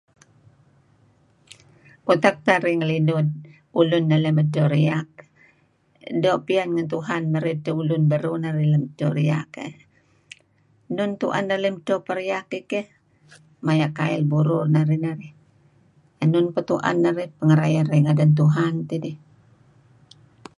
Utak narih ngelinuh ulun lem edto riak doo' pian ngen Tuhan marey edteh ulun beruh narih edo riak keyh. Nun tuen narih lem edto periak keyh maya' kail burur narih narih. Enun peh nuk tuen narih pehngerayeh ngaan Tuhan dih.